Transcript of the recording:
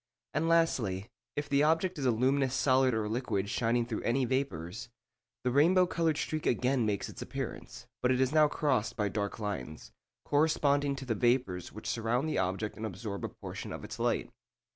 And lastly, if the object is a luminous solid or liquid shining through any vapours, the rainbow coloured streak again makes its appearance, but it is now crossed by dark lines, corresponding to the vapours which surround the object and absorb a portion of its light.